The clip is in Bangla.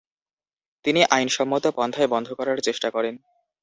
তিনি আইনসম্মত পন্থায় বন্ধ করার চেষ্টা করেন।